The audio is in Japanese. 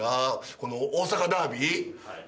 この大阪ダービー。